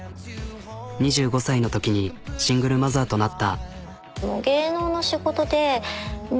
２５歳のときにシングルマザーとなった。